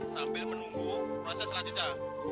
sambil menunggu proses selanjutnya